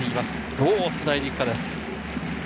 どうつないでいくかです。